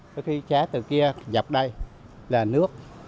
có khi xá từ kia dọc đây là nước